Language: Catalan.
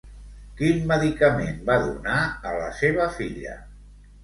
Quin medicament va donar a la seva filla?